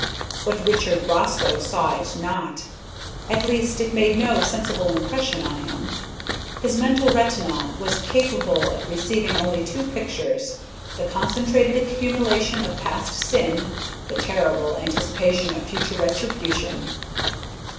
But Richard Rosco saw it not. At least it made no sensible impression on him. His mental retina was capable of receiving only two pictures: the concentrated accumulation of past sin the terrible anticipation of future retribution.